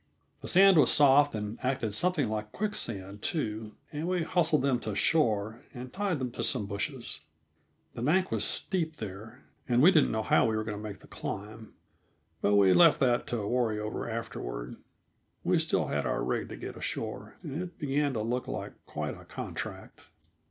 The sand was soft and acted something like quicksand, too, and we hustled them to shore and tied them to some bushes. The bank was steep there, and we didn't know how we were going to make the climb, but we left that to worry over afterward; we still had our rig to get ashore, and it began to look like quite a contract.